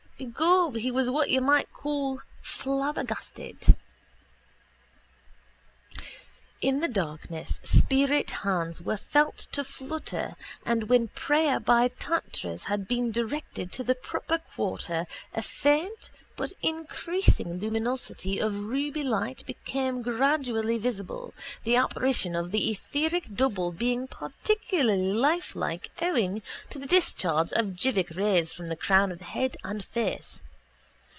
Begob he was what you might call flabbergasted. In the darkness spirit hands were felt to flutter and when prayer by tantras had been directed to the proper quarter a faint but increasing luminosity of ruby light became gradually visible, the apparition of the etheric double being particularly lifelike owing to the discharge of jivic rays from the crown of the head and face.